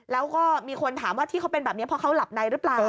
แล้วก็มีคนถามว่าที่เขาเป็นแบบนี้เพราะเขาหลับในหรือเปล่า